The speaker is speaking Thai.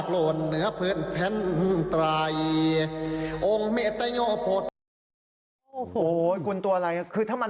คือถ้ามันไม่ใช่